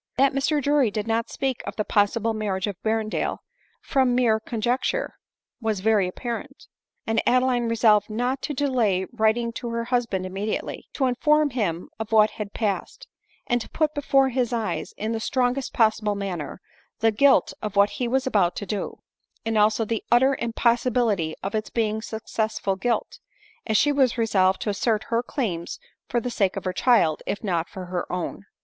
That Mr Drury did not speak of the possible marriage* A ■ 236 ADELINE MOWBRAY. of Berrendale from mere conjecture, was very apparent j and Adeline resolved not to delay writing to her hus band immediately, to inform him of what had passed, and to put before his eyes, in the strongest possible man ner, the guilt of what he was about to do ; and also the utter impossibility of its being successful guilt, as she was resolved to assert her claims for the sake of her child, if not for her own.